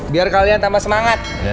biar kalian tambah semangat